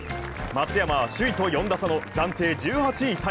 松山は首位と４打差の暫定１８位